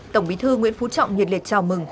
tổng bí thư nguyễn phú trọng nhiệt liệt chào mừng